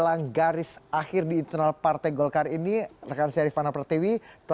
akan saya beri pertanyaan tadi kepada pak pak